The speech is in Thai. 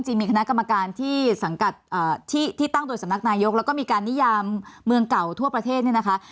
มีคณะกรรมการที่สังกัดที่ตั้งโดยสำนักนายกแล้วก็มีการนิยามเมืองเก่าทั่วประเทศเนี่ยนะคะ